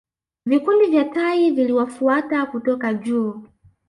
Vikundi vya tai viliwafuata kutoka juu